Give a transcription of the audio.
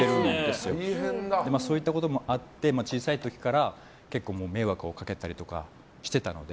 そういったこともあって小さい時から結構、迷惑をかけたりしてたので。